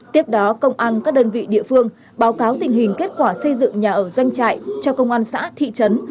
tiếp đó công an các đơn vị địa phương báo cáo tình hình kết quả xây dựng nhà ở doanh trại cho công an xã thị trấn